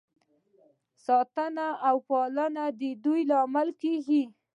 ساتنه او پالنه د ودې لامل کیږي.